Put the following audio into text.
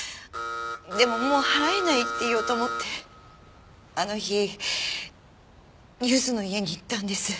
でももう払えないって言おうと思ってあの日ゆずの家に行ったんです。